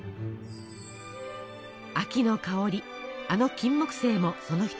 秋の香りあのキンモクセイもその一つです。